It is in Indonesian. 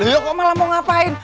ya kok malah mau ngapain